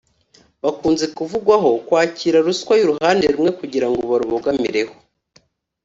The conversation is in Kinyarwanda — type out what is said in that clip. bakunze kuvugwaho kwakira ruswa y’uruhande rumwe kugira ngo barubogamireho